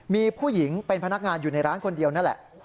มีผู้หญิงเป็นพนักงานอยู่ในร้านคนเดียวนั่นแหละ